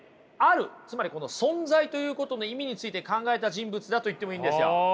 つまり「存在」ということの意味について考えた人物だと言ってもいいんですよ。